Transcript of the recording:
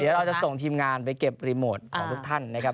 เดี๋ยวเราจะส่งทีมงานไปเก็บรีโมทของทุกท่านนะครับ